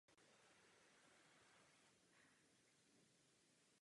Uvažovalo se o náhradě tramvajového provozu autobusy či trolejbusy.